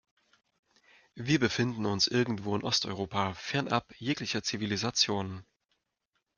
Wir befinden uns irgendwo in Osteuropa, fernab jeglicher Zivilisation.